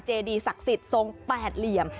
เจดีศักดิ์ศักดิ์สงค์แปดเหลี่ยม